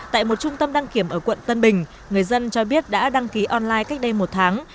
tại một trung tâm đăng kiểm ở quận tân bình người dân cho biết đã đăng ký online cách đây một tháng